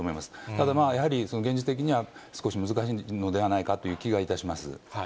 ただやはり、現実的には少し難しいのではないかという気がいたします。